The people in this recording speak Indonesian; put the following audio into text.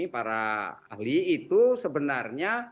para ahli itu sebenarnya